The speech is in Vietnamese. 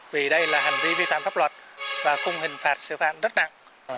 vì đây là hành vi vi phạm pháp luật và cung hình phạt sử phạm rất nặng